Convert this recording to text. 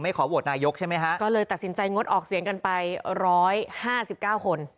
ขอโหวตนายกใช่ไหมฮะก็เลยตัดสินใจงดออกเสียงกันไป๑๕๙คน